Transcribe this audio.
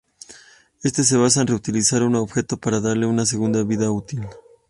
Esta se basa en "reutilizar" un objeto para darle una segunda vida útil.